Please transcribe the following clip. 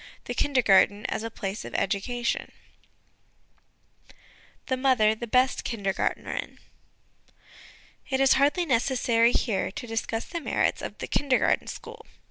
THE KINDERGARTEN AS A PLACE OF EDUCATION The Mother the best Kindergartnerin. It is hardly necessary, here, to discuss the merits of the Kindergarten School.